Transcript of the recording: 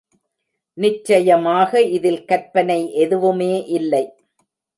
நிச்சயமாக இதில் கற்பனை எதுவுமே இல்லை.